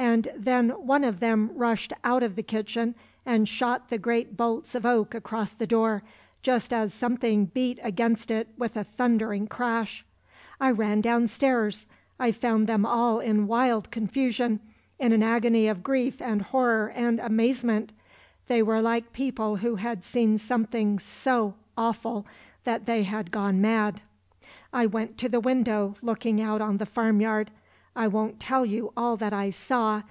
And then one of them rushed out of the kitchen and shot the great bolts of oak across the door, just as something beat against it with a thundering crash. "I ran downstairs. I found them all in wild confusion, in an agony of grief and horror and amazement. They were like people who had seen something so awful that they had gone mad. "I went to the window looking out on the farmyard. I won't tell you all that I saw.